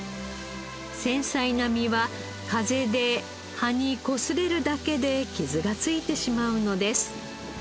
繊細な実は風で葉にこすれるだけで傷がついてしまうのです。